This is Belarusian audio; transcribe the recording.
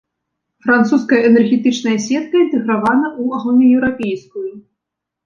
Французская энергетычная сетка інтэгравана ў агульнаеўрапейскую.